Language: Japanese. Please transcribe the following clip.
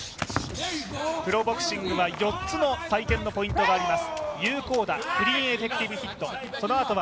プロボクシングは４つの採点のポイントがあります。